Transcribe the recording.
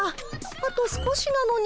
あと少しなのに。